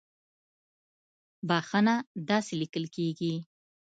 بخښنه داسې ليکل کېږي